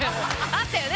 あったよね？